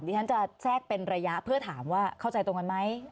ที่ฉันจะแทรกเป็นระยะเพื่อถามว่าเข้าใจตรงกันไหม